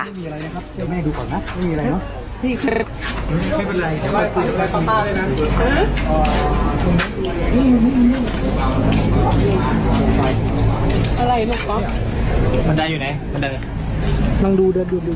อะไรลูกบ๊อบมันไดอยู่ไหนมันไดอยู่ลองดูเดินดู